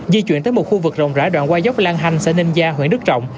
di chuyển tới một khu vực rộng rãi đoạn qua dốc lan hanh sở ninh gia huyện đức trọng